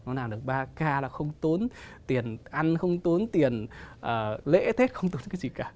nó làm được ba k là không tốn tiền ăn không tốn tiền lễ tết không tốn cái gì cả